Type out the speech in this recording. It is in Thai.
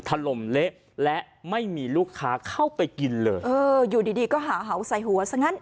ถล่มเละและไม่มีลูกค้าเข้าไปกินเลยเอออยู่ดีดีก็หาเห่าใส่หัวซะงั้น